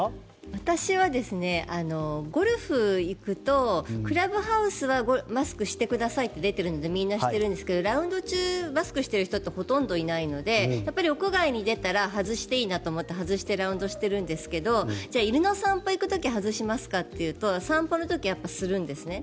私はゴルフ行くとクラブハウスはマスクしてくださいって出ているのでみんなしてるんですがラウンド中、マスクをしてる方はほとんどいないのでやっぱり、屋外に出たら外していいなと思って外してラウンドしているんですけどじゃあ犬の散歩に行く時に外しますかというと散歩の時はやっぱりするんですね。